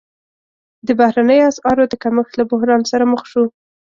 د بهرنیو اسعارو د کمښت له بحران سره مخ شو.